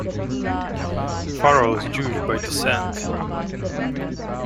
Farrell is Jewish by descent.